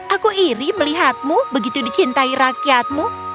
aku iri melihatmu begitu dicintai rakyatmu